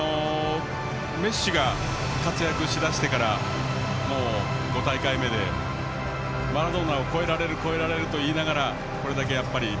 メッシが活躍し出してからもう５大会目で、マラドーナを超えられる、超えられるといいながらもこれだけ、やっぱり。